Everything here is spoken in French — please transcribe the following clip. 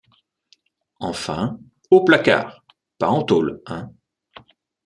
Enfin, « au placard », pas en taule, hein.